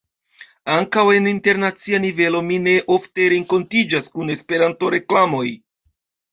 Ankaŭ en internacia nivelo mi ne ofte renkontiĝas kun Esperanto-reklamoj.